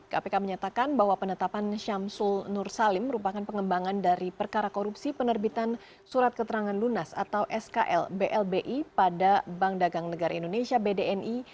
kpk menyatakan bahwa penetapan syamsul nur salim merupakan pengembangan dari perkara korupsi penerbitan surat keterangan lunas atau skl blbi pada bank dagang negara indonesia bdni